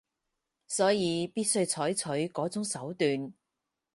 所以必須採取嗰種手段